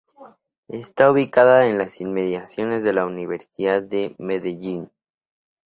Está ubicada en las inmediaciones de la Universidad de Medellín.